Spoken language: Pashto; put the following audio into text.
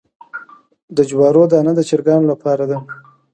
د جوارو دانه د چرګانو لپاره ده.